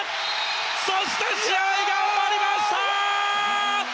そして、試合が終わりました！